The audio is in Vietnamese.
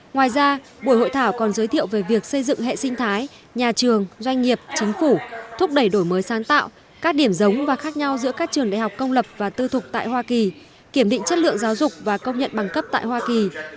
ngoài ra buổi hội thảo còn giới thiệu về việc xây dựng hệ sinh thái nhà trường doanh nghiệp chính phủ thúc đẩy đổi mới sáng tạo các điểm giống và khác nhau giữa các trường đại học công lập và tư thục tại hoa kỳ kiểm định chất lượng giáo dục và công nhận bằng cấp tại hoa kỳ